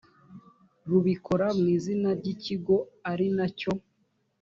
rubikora mu izina ry ikigo ari na cyo